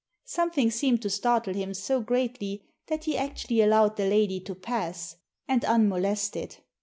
" Something seemed to startle him so greatly that he actually allowed the lady to pass, and unmolested.